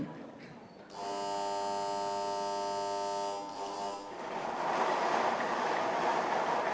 หมายเลข๑๐๐